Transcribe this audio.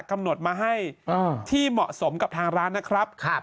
กำหนดมาให้ที่เหมาะสมกับทางร้านนะครับ